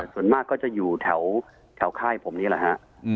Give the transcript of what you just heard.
ส่วนมากก็จะอยู่แถวค่ายผมนี่แหละฮะ